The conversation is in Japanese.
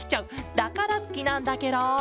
だからすきなんだケロ！